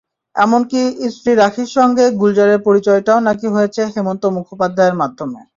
এমনকি স্ত্রী রাখীর সঙ্গে গুলজারের পরিচয়টাও না-কি হয়েছে হেমন্ত মুখোপাধ্যায়ের মাধ্যমে।